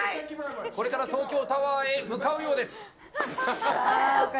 これから東京タワーへ向かうようです。